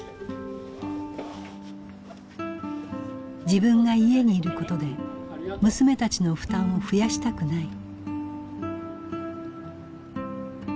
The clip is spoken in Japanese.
自分が家にいることで娘たちの負担を増やしたくない。